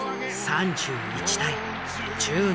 ３１対１７。